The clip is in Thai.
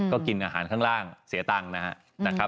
ก็กินอาหารข้างล่างเสียตังค์นะครับ